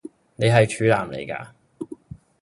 你係處男嚟㗎？